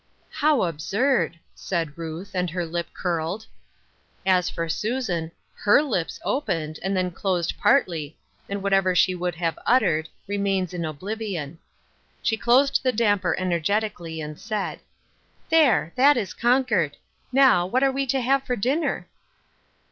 "How absurd!" said Ruth, and her lip culled. As for Susan, her lips opened, and then closed partly, and whatever she would have uttered The Cross of helplessness, 198 remains in oblivion. She closed the dampei energetically, and said :" There, that is conquered I Now, what are we to have for dinner